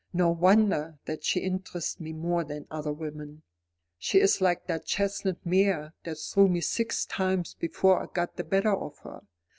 "No wonder that she interests me more than other women. She is like that chestnut mare that threw me six times before I got the better of her.